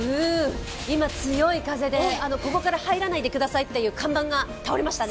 今、強い風でここから入らないでくださいという看板が倒れましたね。